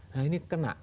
nah ini kena